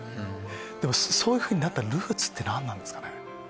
そういうふうになったルーツって何なんですかね？